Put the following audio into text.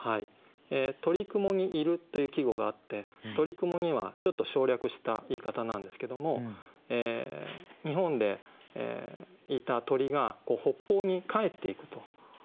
「鳥雲に入る」という季語があって「鳥雲に」はちょっと省略した言い方なんですけども日本でいた鳥が北方に帰っていくと。